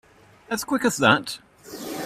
As quick as that?